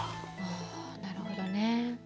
あなるほどね。